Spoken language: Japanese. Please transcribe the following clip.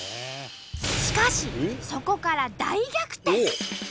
しかしそこから大逆転！